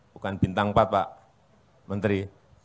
bukan bintang empat pak menteri